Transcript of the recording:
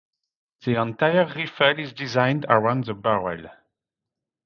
The entire rifle is designed around the barrel.